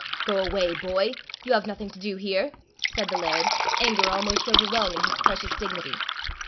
"Go away, boy. You have nothing to do here," said the laird, anger almost overwhelming his precious dignity.